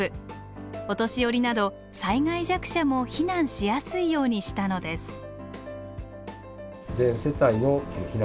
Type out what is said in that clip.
お年寄りなど災害弱者も避難しやすいようにしたのです。